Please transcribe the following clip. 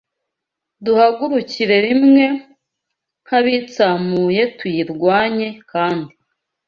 duhagurukire rimwe nk’abitsamuye tuyirwanye kandi